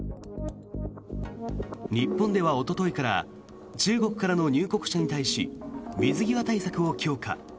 日本ではおとといから中国の入国者に対し水際対策を強化。